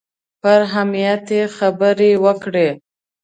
پر اهمیت یې خبرې وکړې.